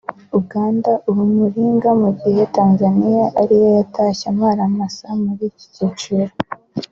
Uganda uw’umuringa mu gihe Tanzania ariyo yatashye amara masa muri iki cyiciro